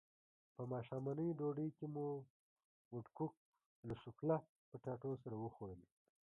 په ماښامنۍ ډوډۍ کې مو وډکوک له سوفله پټاټو سره وخوړل.